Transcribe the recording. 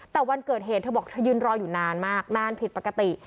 แต่วันเกิดเหตุเธอบอกเธอยืนรออยู่นานมากนานผิดปกติ